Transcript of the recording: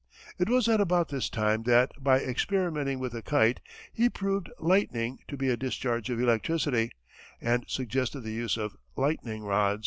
It was at about this time that, by experimenting with a kite, he proved lightning to be a discharge of electricity, and suggested the use of lightning rods.